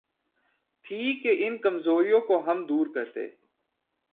تھی کہ ان کمزوریوں کو ہم دور کرتے۔